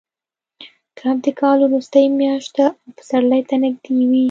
کب د کال وروستۍ میاشت ده او پسرلي ته نږدې وي.